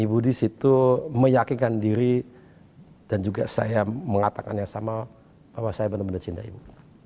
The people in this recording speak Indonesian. ibu di situ meyakinkan diri dan juga saya mengatakan yang sama bahwa saya benar benar cinta ibu